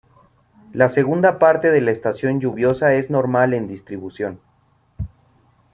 La segunda parte de la estación lluviosa es normal en distribución.